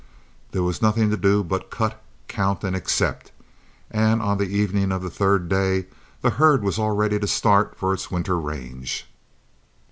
There was nothing to do but cut, count, and accept, and on the evening of the third day the herd was all ready to start for its winter range.